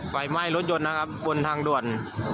ไฟไหม้รถยนต์นะครับบนทางด่วน